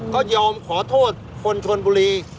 ก็ยอมขอโทษคนชนบุรี